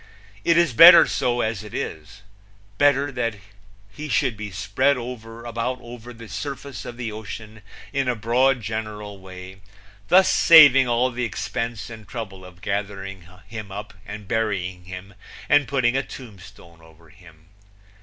It is better so, as it is better that he should be spread about over the surface of the ocean in a broad general way, thus saving all the expense and trouble of gathering him up and burying him and putting a tombstone over him.